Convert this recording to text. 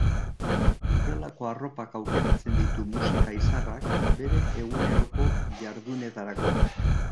Horrelako arropak aukeratzen ditu musika izarrak bere eguneroko jardunetarako.